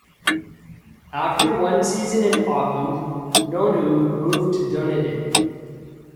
After one season in Auckland, Nonu moved to Dunedin.